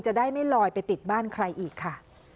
จะได้ไม่ลอยไปติดบ้านใครอีกค่ะ